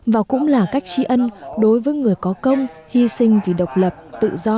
và cũng là cách trí ân đối với người có công hy sinh vì độc lập tự do của tổ quốc